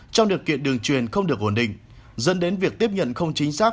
trong điều kiện đường truyền không được ổn định dẫn đến việc tiếp nhận không chính xác